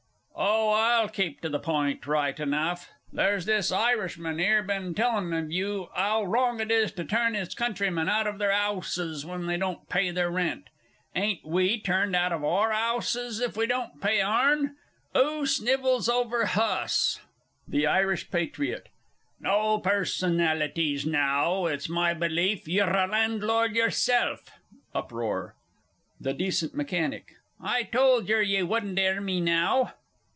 "_) Oh, I'll keep to the point right enough. There's this Irishman here been a tellin' of you 'ow wrong it is to turn his countrymen out of their 'ouses when they don't pay their rent. Ain't we turned out of our 'ouses, if we don't pay ourn? 'Oo snivels over hus? THE I. P. No personalities now! It's my belief ye're a Landlord yerself! [Uproar. THE D. M. I told yer ye wouldn't 'ear me now!